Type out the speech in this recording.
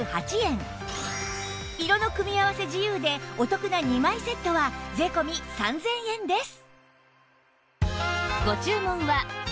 色の組み合わせ自由でお得な２枚セットは税込３０００円です